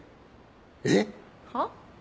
えっ？はあ？